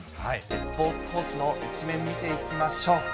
スポーツ報知の１面見ていきましょう。